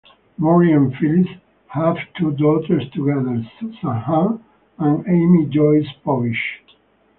Maury and Phyllis have two daughters together, Susan Anne and Amy Joyce Povich.